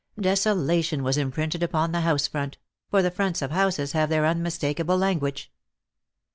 Desolation was imprinted upon the house front — for the fronts of houses have their unmis takable language.